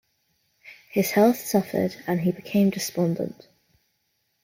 His health suffered, and he became despondent.